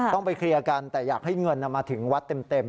ต้องไปเคลียร์กันแต่อยากให้เงินมาถึงวัดเต็ม